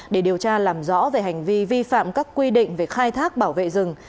để điều tra làm rõ về hành vi vi phạm các quy định về khai thác bảo vệ rừng